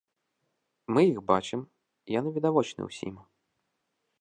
Мы іх бачым, яны відавочны ўсім.